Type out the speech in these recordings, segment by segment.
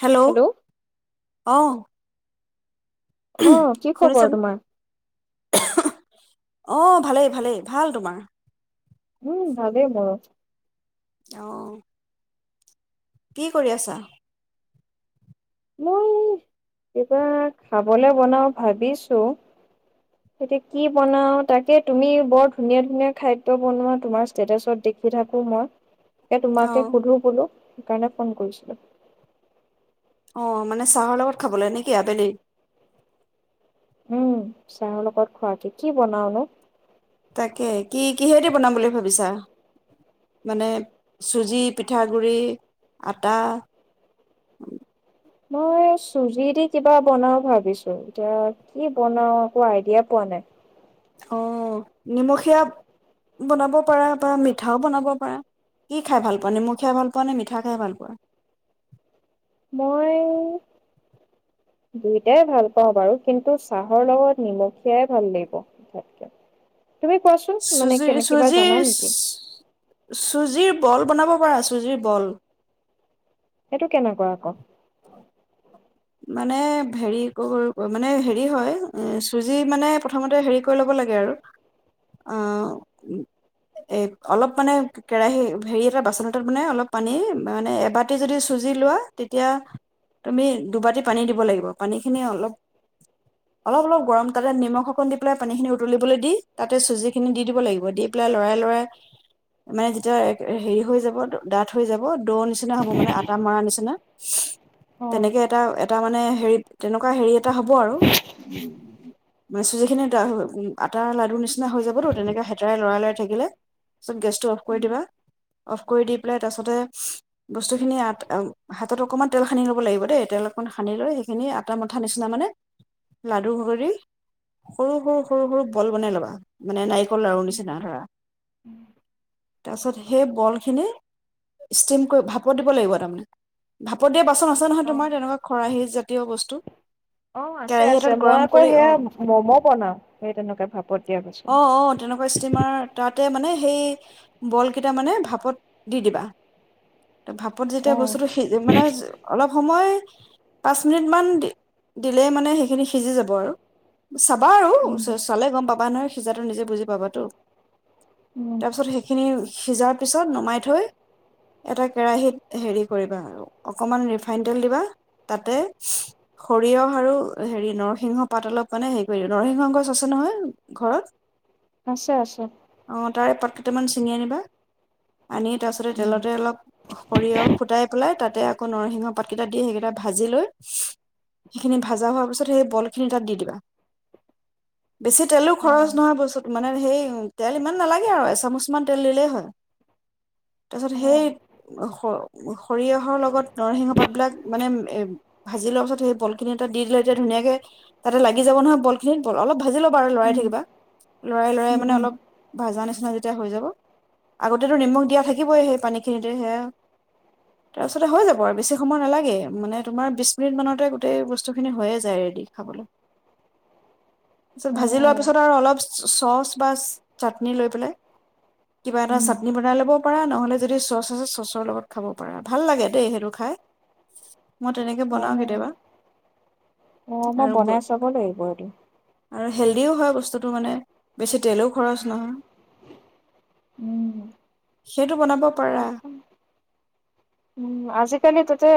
Hello অ আহ কি খবৰ শুনিছানে তোমাৰ অ ভালেই ভালেই ভাল তোমাৰ উম ভালে মোৰ। আহ কি কৰি আছা মই কিবা খাবলৈ বনাওঁ ভাবিছো এতিয়া কি বনাও তাকে তুমি বৰ ধুনীয়া ধুনীয়া খাদ্য বনোৱা তোমাৰ ষ্টেটাছত দেখি থাকো মই এ অ তোমাকে সুধো বোলো। সেইকাৰণে ফোন কৰিছিলো অ মানে চাহৰ লগত খাবলৈ নেকি আবেলি উম', চাহৰ লগত খোৱাকে কি বনাওঁনো। তাকে কি কিহেদি বনাম বুলি ভাবিছা মানে চুজি, পিঠাগুৰি, আটা মই চুজি দি কিবা বনাওঁ ভাবিছো এতিয়া কি বনাওঁ একো আইডিয়া পোৱা নাই অ', নিমখীয়া বনাব পাৰা বা মিঠাও বনাব পাৰা। কি খাই ভাল পোৱা নিমখীয়া ভাল পোৱা নে মিঠা খাই ভাল পোৱা? মই দুয়োটাই ভাল পাওঁ বাৰু কিন্তু চাহৰ লগত নিমখীয়াই ভাল লাগিব আটাইতকে চুজিৰ চুজিৰ চ চুজিৰ বল বনাব পৰা চুজিৰ বল এইটো কেনেকুৱা আকৌ? মানে হেৰি মানে হেৰি হয় অ', চুজি মানে প্ৰথমতে হেৰি কৰি ল'ব লাগে আৰু অ', এ অলপ মানে কেৰাহী হেৰি এটা বাচন এটাত মানে অলপ পানী মানে এবাটি যদি চুজি লোৱা তেতিয়া তুমি দুবাটি পানী দিব লাগিব পানীখিনি অলপ অলপ অলপ গৰম তাতে নিমখ অকণ দি পেলাই পানীখিনি উতলিবলৈ দি তাতে চুজিখিনি দি দিব লাগিব দি পেলাই লৰাই লৰাই মানে যেতিয়া হে হেৰি হৈ যাব ডাঠ হৈ যাব দৌৰ নিচিনা হ'ব মানে আটা মৰা নিচিনা অ' তেনেকে এটা এটা মানে হেৰি তেনেকুৱা হেৰি এটা হ'ব আৰু মানে চুজিখিনি আটাৰ আটাৰ লাড়ুৰ নিচিনা হৈ যাবতো তেনেকে হেতাৰে লৰাই লৰাই থাকিলে তাৰপিছত গেছটো অফ কৰি দিবা অফ কৰি দি পেলাই তাৰ পাছতে বস্তুখিনি আট হাতত অকমান তেল সানি ল'ব লাগিব দেই তেল অকণ সানি লৈ সেইখিনি আটা মথা নিচিনা মানে লাড়ু কৰি সৰু সৰু সৰু সৰু বল বনাই ল'বা মানে নাৰিকল ৰং বেছি নাই ধৰা তাৰপিছত সেই বলখিনি ষ্টিম কৰি ভাপত দিব লাগিব তাৰমানে ভাপত দিয়া বাচন আছে তোমাৰ তেনেকুৱা খৰাহী জাতীয় বস্তু অ আছে কেৰাহি আছে এটাত মই গৰম আকৌ কৰি সেয়া অ', ম'ম' বনাও সেই তেনেকে ভাপত দিয়া পাছত। অ', অ', তেনেকুৱা ষ্টিমাৰ তাতে মানে সেই বলকেইটা মানে ভাপত দি দিবা ভাপত অ যেতিয়া বস্তুটো সিজ মানে অলপ [unintelligible] পাঁচ মিনিট মান দি দিলেই মানে সেইখিনি সিজি যাব আৰু চাবা আৰু উম চা চালে গম পাবা নহয় সিজাটো নিজে বুজি পাবাটো উম তাৰপিছত সেইখিনি সিজাত পিছত নমাই থৈ এটা কেৰাহীত হেৰি কৰিবা অকমান ৰিফা ফাইন তেল দিবা তাতে সৰিয়হ আৰু হেৰি নৰসিংহ পাত অলপ মানে হেৰি কৰি নৰসিংহ গছ আছে নহয় ঘৰত আছে আছে অ তাৰে পাত কেইটামান ছিঙি আনিবা আনি তাৰ পাছতে উম তেলতে অলপ সৰিয়হ ফুটাই পেলাই তাতে আকৌ নৰসিংহ পাতকেইটা দি সেইকেইটা ভাজি লৈ সেইখিনি ভজা হোৱাৰ পিছত সেই বল খিনি তাত দি দিবা বেছি তেলো অ খৰচ নহয় বস্তু মানে সেই তেল ইমান নালাগে আৰু এচামুচমান তেল দিলেই হয় তাৰপিছত অ সেই স সৰিয়হৰ লগত নৰসিংহ পাত বিলাক মানে এ ভাজি লোৱাৰ পিছত সেই বল খিনি এটা দি দিলে এতিয়া ধুনীয়াকে তাতে লাগি যাব নহয় বল খিনিত অলপ ভাজি ল'ব আৰু লৰাই উম থাকিবা লৰাই লৰাই উম মানে উম অলপ ভাজা নিচিনা যেতিয়া হৈ যাব আগতেতো নিমখ দিয়া থাকিবই সেই পানীখিনিতে সেয়া তাৰপিছতে হৈ যাব আৰু বেছি সময় নালাগে মানে তোমাৰ বিছ মিনিটমানতে গোটেই বস্তুখিনি হৈয়ে যায় ৰেডি খাবলে। তাৰপিছত অ ভাজি লোৱাৰ পিছত আৰু অলপ চ চ'চ বা চাটনি লৈ পেলাই কিবা এটা উম চাটনি বনাই ল'বও পাৰা নহ'লে যদি চ'চ আছে চচৰ লগত খাব পাৰা ভাল লাগে দেই সেইটো খাই মই তেনেকে অ বনাও কেতিয়াবা। অ মই আৰু বনাই চাব লাগিব এইটো আৰু হেল্ডিও হয়, বস্তুটো মানে বেছি তেলেও খৰচ নহয় উম সেইটো বনাব পাৰা। উ আজিকালি তাতে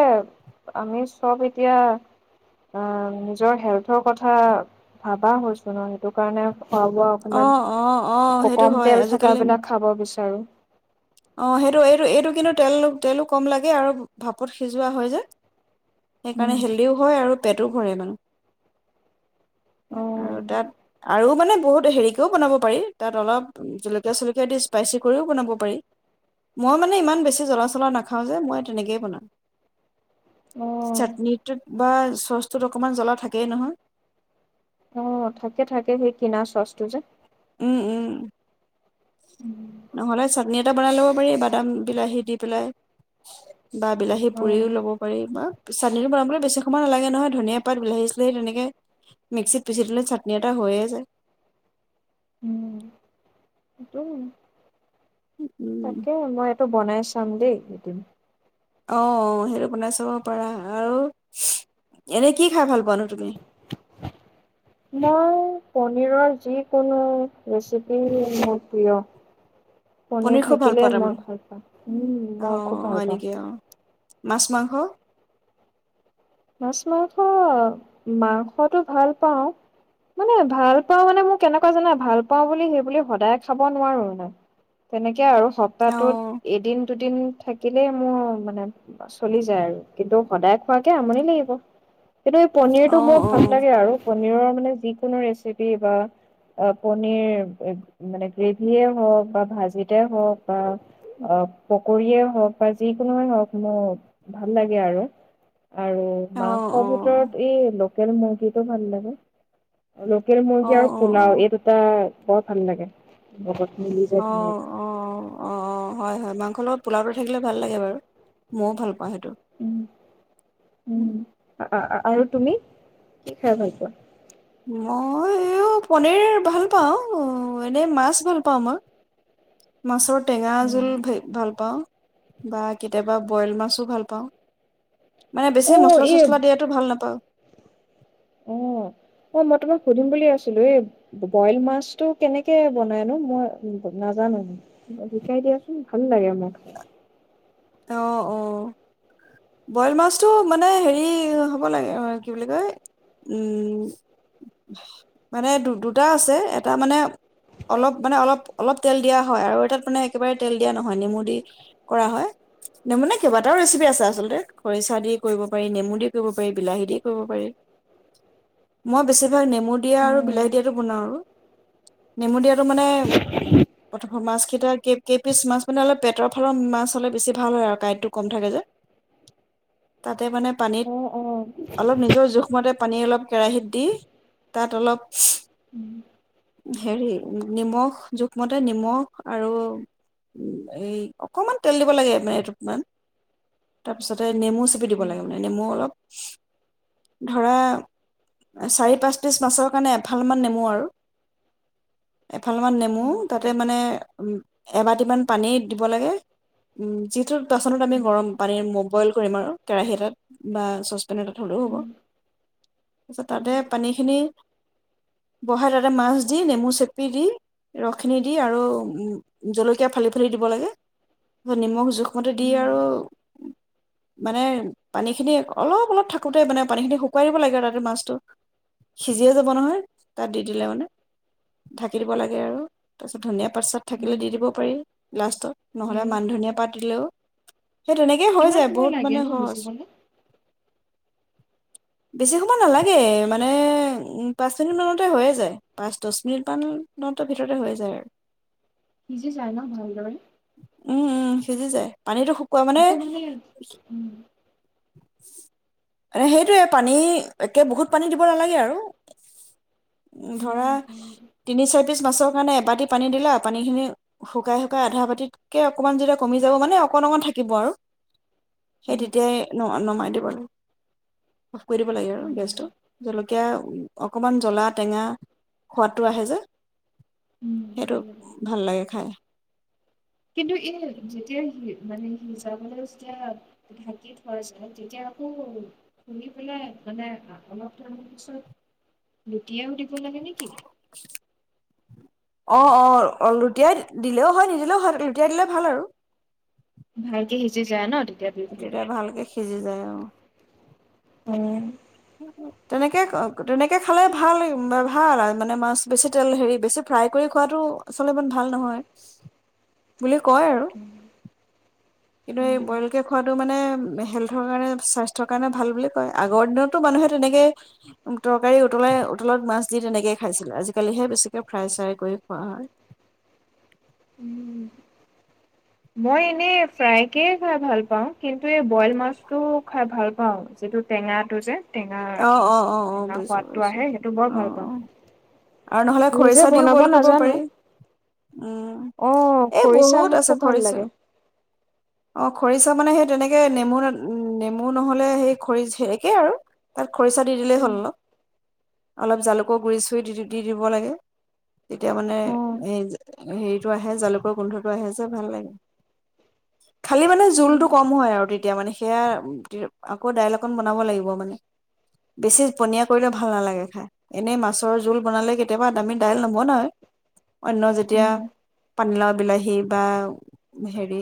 আমি চব এতিয়া অ নিজৰ হেল্থৰ কথা ভাবা হৈছো ন সেইটো কাৰণে খোৱা বোৱা অ অকমান অ অ সেইটো ককম হয় তেল থকা আজিকালি বিলাক খাব বিচ তাৰো অ সেইটো এইটো-এইটো কিন্তু তেল তেলো কম লাগে আৰু ভাপত সিজোৱা হয় যে, উম, সেইকাৰণে হেল্ডিও হয় আৰু [unintelligible] আৰু অ', তাত আৰু মানে বহুত হেৰিকেও বনাব পাৰি তাত অলপ জলকীয়া চলকীয়া দি স্পাইচি কৰিও বনাব প মই মানে ইমান বেছি জ্বলা চলা নাখাও যে মই তেনেকেই বনাম অ', চাটনিটো বা চচটোত অকণমান জ্বলা থাকেই নহয়। অ থাকে-থাকে সেই কিনা চচটো যে উম-উম নহ'লে চাটনি এটা বনাই ল'ব পাৰি বাদাম বিলাহী দি পেলাই। বা বিলাহী অ', পুৰিও ল'ব উম, পাৰি বা চাটননিটো বনাবলৈ বেছি সময় নালাগে নহয় ধনিয়া পাত বিলাহী চলাহী তেনেকে মিক্সিত পিচি দিলে চাটনি এটা হৈয়ে আছে। এইটো উম তাকে মই এইটো বনাইছ চাম দেই এদিন। অ সেইটো বনাই চাব পাৰা, আৰু এনে কি খাই ভাল পানো তুমি? মই পনীৰৰ যিকোনো ৰেচিপি মোৰ প্ৰিয়। পনীৰ খুব ভাল পোৱা থাকিলে মই তাৰমানে ভাল পাওঁ উম অ মই খুব ভাল হয় পাওঁ। নেকি অ মাছ মাংস? মাছ মাংস মাংসটো ভাল পাওঁ মানে ভাল পাও মানে মোক কেনেকুৱা জানাই ভাল পাওঁ বুলি সেই বুলি সদায় খাব নোৱাৰো। নাই তেনেকে আৰু অ সপ্তাহটোত এদিন দুদিন থাকিলেই মোৰ মানে চলি যায় আৰু কিন্তু সদায় খোৱাকে আমনি [unintelligible] কিন্তু এই পনীৰটো অ মোৰ ভাল লাগে আৰু পনীৰৰ মানে যিকোনো ৰেচিপি বা পনীৰ মানে গ্ৰেভিয়ে হওক বা ভাজিতে হওক বা পকৰয়েই হওক বা যিকোনোৱে হওক মোৰ ভাল লাগে আৰু আৰু অ অ মাংসৰ ভিতৰত এই ম কিটো ভাল লাগে লোকেল অ অ মুৰ্গী আৰু অ পোলাও এই দুটা বৰ ভাল লাগে বত অ-অ-অ হয়-হয় মাংসত পোলাতে থাকিলে ভাল লাগে বাৰু ময়ো ভাল পাওঁ সেইটো, উম উম আৰু তুমি কি খাই ভাল পোৱা? মই এই পনীৰ ভাল পাওঁ এনেই মাছ ভাল পাওঁ মই মাছৰ টেঙা জোল ভ ভাল পাওঁ বা কেতিয়াবা বইল মাছো ভাল পাওঁ মানে অ বেছি এই মছলাচছলািয়াতো ভাল নাপাওঁ অ অ মই তোমাক সুধিম বুলি আছিলো এই বইল মাছটো কেনেকে বনাইনো মই নাজানো শিকাই দিয়াচোন ভাল লাগে মই খাই অ অ বইল মাছটো মানে হেৰি হ'ব লাগে কি বুলি কয় উ মানে দুটা আছে এটা মানে অলপ মানে অলপ অলপ তেল দিয়া হয় আৰু এটাত মানে একেবাৰে তেল দিয়া নহয় নেমু দি কৰা হয়। নেমু মানে কেইবাটাও ৰেচিপি আছে আচলতে খৰিচা দি কৰিব পাৰি নেমু দি কৰিব পাৰি বিলাহী দি কৰিব পাৰি মই বেছিভাগ নেমু দিয়া আৰু বিলাহী দিয়টো বনাওঁ আৰু নেমু দিয়াতটো মানে মাছ কেইটা কেইপিচ মাছ মানে অল পেটৰ ফালৰ মাছ হলেেছি ভাল হয় আৰু কাঁইটটো কম থাকে যে তাতে মানে পানীত অ অ। অলপ নিজৰ জোখমতে পানী অলপ কেৰাহিত দি তাত অলপ হেৰি নিমখ জোখমতে নিমখ আৰু এই অকণমান তেল দিব লাগে পিছ নেমু চেপি দিবাগোনে নেমু অলপ ধৰা চাৰি পাঁচ পিছ মাছৰ কাৰণে এফালমান নেমো আৰু ভালমান নেমু তাতে মানে এবাটিমান পানী দিব লাগে উম যিিত পাচনত আমি গৰম পানি বইল কৰিম আৰু কেৰাহী এটাত বা চচপেন এটাত হ'লেও হ'ব তাৰপিছত তাতে পানীখিনি বহাই তাতে মাছ দি নেমু চেপি দি ৰসখিনি দি আৰু জলকীয়া ফালি ফালি দিব লাগে ধ নিমখ জুখ। সতে দি আৰু মানে পানী খিনি অলপ অলপ থাকোতে মানে পানীখিনি শুকুৱাই দিব লাগে আৰু তাতে মাছটো সিজিয়ে যাব নহয় তাত দি দিলে মানে ঢাকি দিব লাগে আৰু তাৰপিছত ধুনীয়া থাকিলে দি দিব পাৰি লষ্ট ন নহ'লে হেৰি মানধনিয় পাতিলেও সেই তেনেকেই হৈ কিমান যায় বহুত মানে সহজ বুজি বেছি সময় নালাগে মানে পাঁচ মিনিট মানতে হৈয়ে যায় পাঁচ দহ মিনিট মান ভিতৰতে হৈয়ে যায় আৰু কিজে যায় ন ভালদৰে উম সিজি যায় পানীতটো শুকোৱা মানে ম সেইটোৱে পানী একে বহুত পানী দিব নালাগে আৰু উ ধৰা তিনি চয় পিছ মাছৰ কাৰণে এবাটতি পানী দিলা আৰু পানীখিনি শুকাই শুকাই আধা বাাতিত তাকে অকমান যেতিয়া কমি যাব মানে অকণ অকন থাকিব আৰু সেই তেতিয়াই ন নমাই িব [unintelligible] অফ কৰিব দ লাগে আৰু উম গেছটো জলকীয়া অকমান জ্বলা টেঙা খোৱাদটো আহে যে উম, সেইটো ভাল লাগে ভাল লাগে খাই কিন্তু এই যেতিয়াি মানে সিজাবলৈ যেতিয়া ঢাকি থোৱা যায় তেতিয়া আকৌ শুনি পেলাই মানে অলপ ৰ পিছত লুটিয়াইও শুই লবি নেকি? অ অ লুটিয়াই দিলেও হয় নিজিলেও হয় লুটিয়াই দিলে ভাল আৰু ভালকে সিজি যায় ন তে দুটাই ভালকে সিজি যায় অ উম তেনেকে তেনেকে খালে ভাল ভাল মানে মাছ বেছি তেল হেৰি বেছি ফ্ৰাই কৰি খোৱাটো আচলতে ইমান ভাল নহয় বুলি কয় আৰু উম কিন্তু এই বইলকে খোৱাটো মানে হেল্থৰ কাৰণে স্বাস্থ্যৰ কাৰণে ভাল বুলি কয় আগৰ দিনতো মানুহে তেনেকে তৰকাৰী উতলাই উতলত মাছ দি তেনেকেই খাইছিলে আজিকালিহে বেছিকে ফ্ৰাই চ্ৰাই কৰি খোৱা হয় উম মই এনেই ফ্ৰাই কে খাই ভাল পাওঁ কিন্তু এই বইল মাছটো খাই ভাল পাওঁ যিটো টেঙাটো যে টেঙা অ অ অ অ টেঙা বুজিছো সোৱাদটো বুজিছো আহে সেইটো বৰ অ ভাল পাওঁ অ আৰু নহ'লে নিজে খৰিচা দিও বনাব বযেল কৰিব নাজানো পাৰি উম অ এই খৰিচা বহুত মোৰ আছে খুব ভাল খৰিচাও লাগে। অ খৰিচা মানে সেই তেনেকে নেমু নেমু নহ'লে সেই খৰিচ একেই আৰু তাত খৰিচা দি দিলেই হ'ল অলপ অলপ জালুকৰ গুৰি চুৰি দি দি দিব লাগে তেতিয়া মানে অ', উম, এই হেৰিটো আহে জালুকৰ গোন্ধটো আহে যে ভাল লাগে খালী মানে জোলটো কম হয় আৰু তেতিয়া মানে সেয়া আকৌ দাইল অকণ বনাব লাগিব মানে বেছি পনীয়া কৰিলে ভাল নেলাগে খাই এনেই মাছৰ জুল বনালে কেতিয়াবা আমি দাইল নবনাৱে অন্য যেতিয়া উম, পানীলাও বিলাহী বা হেৰি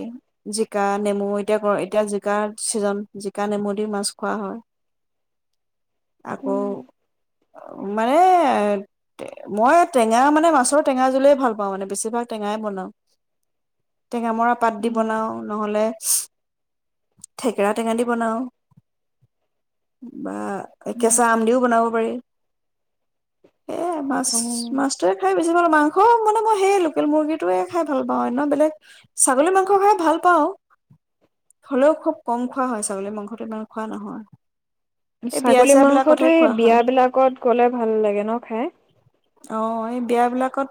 জিকা নেমু এতিয়া এতিয়া জিকা ছিজন জিকা নেমু দি মাছ খোৱা হয় আকৌ উম, মানে মই টেঙা মানে মাছৰ টেঙা জুলে ভাল পাওঁ মানে বেছিভাগ টেঙাই বনাওঁ টেঙা মৰা পাত দি উম, বনাওঁ নহ'লে থেকেৰা টেঙা দি বনাওঁ বা এ কেঁচা আম দিওঁ বনাব পা পাৰি এ মাছ অ', মাছটোয়ে খাই বেছি মাংস মানে মই সেই লোকেল মুৰ্গীটোৱে খাই ভাল পাওঁ অন্য বেলেগ ছাগলী মাংস খাই ভাল পাওঁ হ'লেও খুব কম খোৱা হয় ছাগলী মাংসটো ইমান খোৱা নহয় এই বিয়া ছাগলী চিয়া মাংসটো বিলাকতহে এই খোৱা হয় বিয়াবিলাকত গ'লে ভাল লাগে ন খাই অ এই বিয়াবিলাকত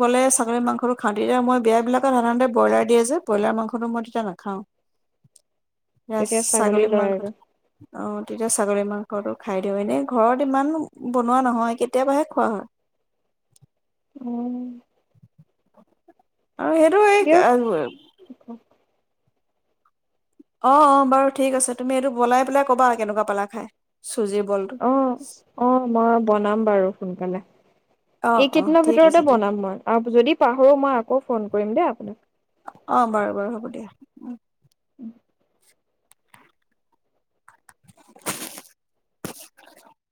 গ'লে ছাগলী মাংসটো খাওঁ তেতিয়া মই বিয়াবিলাকত সাধাৰণতে ব্ৰইলাৰ দিয়ে যে ব্ৰইলাৰ মাংসটো মই তেতিয়া নেখাওঁ তেতিয়া ছাগলী লয় মাংস আৰু আহ ছাগলী মাংসটো খাই দিওঁ এনেই ঘৰত ইমান বনোৱা নহয় কেতিয়াবাহে খোৱা হয় অ', [inaudible] অ সেইটো এই দিয়ক অ অ বাৰু ঠিক আছে তুমি এইটো বলাই পেলাই কবা কেনেকুৱা পালা খাই চুজিৰ বলটো অ অ মই বনাম বাৰু সোনকালে অ অ এইকেইদিনৰ ঠিক আছে ভিতৰতে ঠিক বনাম মই আৰু যদি পাহৰো মই আকৌ ফোন কৰিম দে আপোনাক উম উম উমহ উমহ